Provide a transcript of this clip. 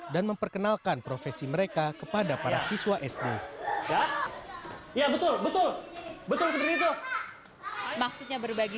dan memperkenalkan karya dan karya